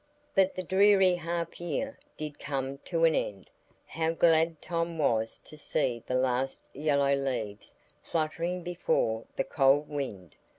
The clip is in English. But the dreary half year did come to an end. How glad Tom was to see the last yellow leaves fluttering before the cold wind!